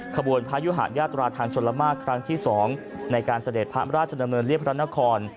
ขบวนพระยุหาญาตราทางชนละมากครั้งที่๒ในการเสด็จพระราชดำเนินเรียบพระนคร